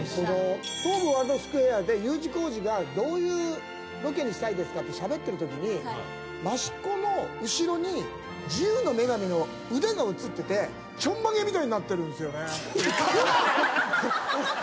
東武ワールドスクウェアでＵ字工事がどういうロケにしたいですかってしゃべってるときに益子の後ろに自由の女神の腕が映っててちょんまげみたいになってるんすよね。